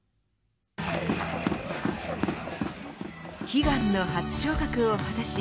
悲願の初昇格を果たし